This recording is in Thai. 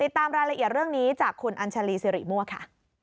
ตามรายละเอียดเรื่องนี้จากคุณอัญชาลีสิริมั่วค่ะ